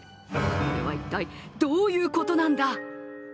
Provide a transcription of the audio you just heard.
これは一体どういうことなんだ？